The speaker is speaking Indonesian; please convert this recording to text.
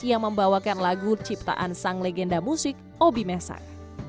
yang membawakan lagu ciptaan sang legenda musik obi mesak